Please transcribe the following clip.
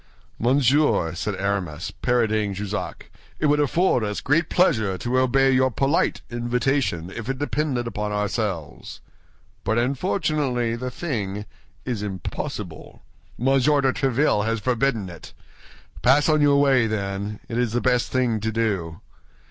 "Monsieur," said Aramis, parodying Jussac, "it would afford us great pleasure to obey your polite invitation if it depended upon ourselves; but unfortunately the thing is impossible—Monsieur de Tréville has forbidden it. Pass on your way, then; it is the best thing to do."